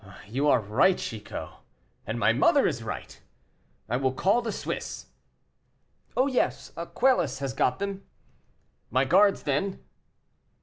"You are right, Chicot, and my mother is right. I will call the Swiss." "Oh, yes! Quelus has got them." "My guards, then."